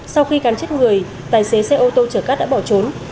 sau khi cán chết người tài xế xe ô tô chở cát đã bỏ trốn